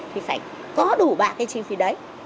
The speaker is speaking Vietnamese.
thì phải có đủ ba cái chi phí đấy